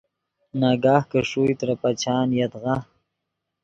ناگاہ کہ ݰوئے ترے پچان یدغا